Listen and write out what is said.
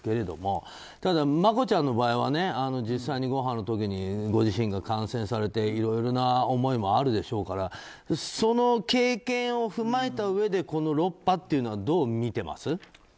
でもマコちゃんの場合は実際に５波の時にご自身が感染されていろいろな思いもあると思うでしょうからその経験を踏まえたうえでこの６波というのはどう見ていますか？